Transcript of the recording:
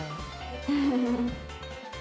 フフフフ。